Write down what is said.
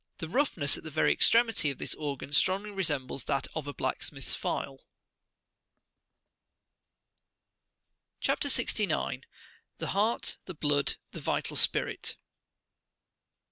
The roughness at the very extremity of this organ strongly re sembles that of a blacksmith's file chap. 69. — the heart; the blood ; the vital spirit.